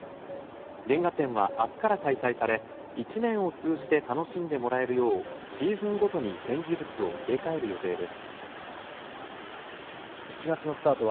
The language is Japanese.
原画展は明日から開催され１年を通じて楽しんでもらえるようシーズンごとに展示物を入れ替える予定です。